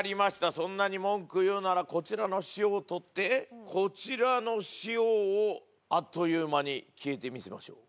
そんなに文句言うならこちらの塩を取ってこちらの塩をあっという間に消えてみせましょう。